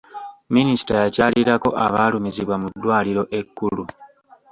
Minisita yakyalirako abaalumizibwa mu ddwaliro ekkulu.